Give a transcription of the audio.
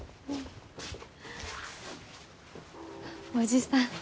叔父さん。